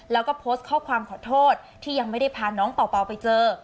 แล้วก็โพสต์ข้อความขอโทษที่ยังไม่ได้พาน้องเป่าไปเจอ